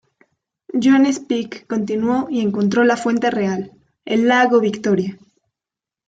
John Speke continuó y encontró la fuente real, el lago Victoria.